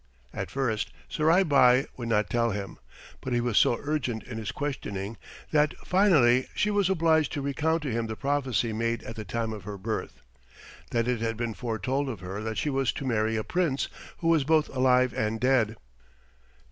At first Surai Bai would not tell him, but he was so urgent in his questioning that finally she was obliged to recount to him the prophecy made at the time of her birth; that it had been foretold of her that she was to marry a Prince who was both alive and dead.